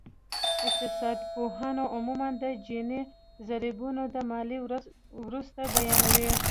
اقتصادپوهان عموماً د جیني ضریبونه د ماليې وروسته بیانوي